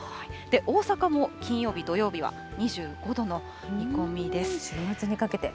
大阪も金曜日、土曜日は２５度の週末にかけて。